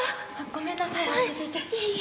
ごめんなさい。